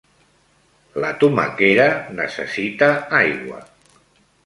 La tomaquera necessita aigua